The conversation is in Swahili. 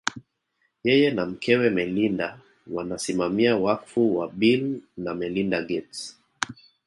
Yeye na mkewe Melinda wanasimamia wakfu wa Bill na Melinda Gates